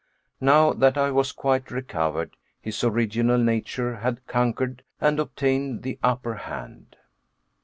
Now that I was quite recovered, his original nature had conquered and obtained the upper hand.